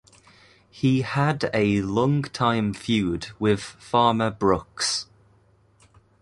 He had a longtime feud with Farmer Brooks.